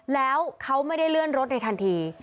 แล้วเขาไม่ได้เลื่อนรถในทันที